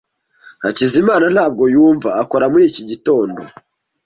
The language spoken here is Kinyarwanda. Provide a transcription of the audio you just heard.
Hakizimana ntabwo yumva akora muri iki gitondo.